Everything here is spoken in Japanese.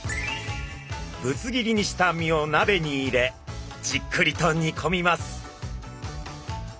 ぶつ切りにした身をなべに入れじっくりと煮込みます。